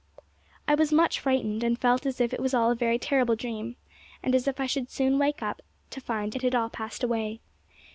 I was much frightened, and felt as if it was all a very terrible dream, and as if I should soon wake up to find it had all passed away.